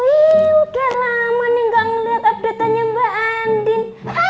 wih udah lama nih gak ngeliat updatenya mbak andin